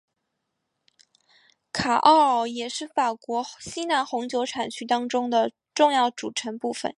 卡奥尔也是法国西南红酒产区当中的重要组成部分。